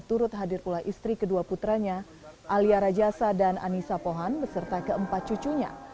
turut hadir pula istri kedua putranya alia rajasa dan anissa pohan beserta keempat cucunya